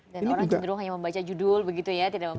dan orang cenderung hanya membaca judul begitu ya